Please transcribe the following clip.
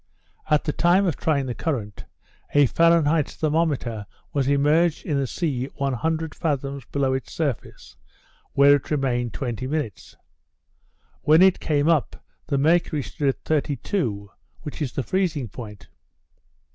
At the time of trying the current, a Fahrenheit's thermometer was immerged in the sea 100 fathoms below its surface, where it remained twenty minutes. When it came up, the mercury stood at 32, which is the freezing point.